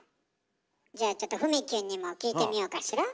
じゃあちょっとふみきゅんにも聞いてみようかしら。